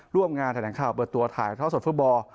ร่วมงานแถลงข่าวเปิดตัวถ่ายท่อสดฟุตบอล